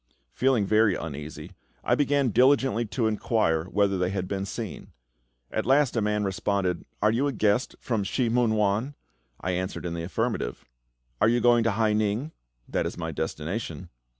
Feeling very uneasy, I began diligently to inquire whether they had been seen. At last a man responded, "Are you a guest from Shih mun wan?" I answered in the affirmative. "Are you going to Hai ning?" "That is my destination."